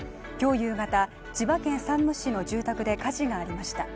夕方、千葉県山武市の住宅で火事がありました。